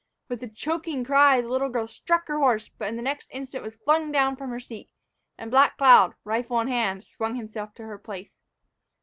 With a choking cry, the little girl struck her horse, but the next instant was flung down from her seat, and Black Cloud, rifle in hand, swung himself to her place.